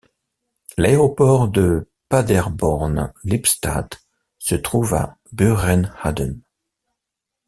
L'aéroport de Paderborn-Lippstadt se trouve à Büren-Ahden.